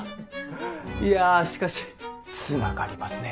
いやしかし繋がりますね。